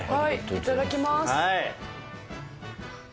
いただきます。